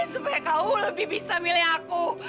supaya kau lebih bisa milih aku